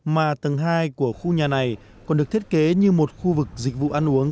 mà tầng hai của khu nhà này còn được thiết kế như một khu vực dịch vụ ăn uống